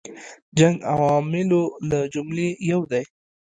جنګ عواملو له جملې یو دی.